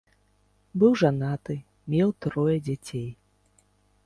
Быў жанаты, меў трое дзяцей.